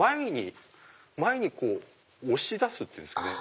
前にこう押し出すっていうんですかね。